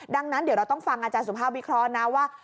ดังนั้นเดี๋ยวเราต้องฟังอาจารย์สุภาพวิเคราะห์นะว่า